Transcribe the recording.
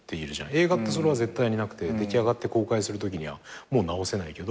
映画ってそれは絶対になくて出来上がって公開するときにはもう直せないけど。